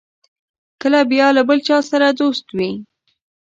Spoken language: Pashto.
کله بیا له بل چا سره دوست وي.